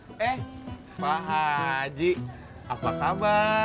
mudah mudahan betah pak haji